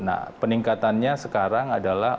nah peningkatannya sekarang adalah